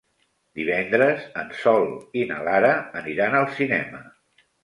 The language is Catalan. Divendres en Sol i na Lara aniran al cinema.